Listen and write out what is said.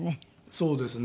そうですね。